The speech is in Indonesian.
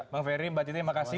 bang ferry mbak titi terima kasih